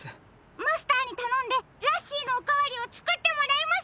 マスターにたのんでラッシーのおかわりをつくってもらいます。